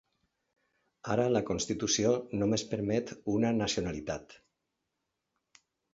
Ara la constitució només permet una nacionalitat.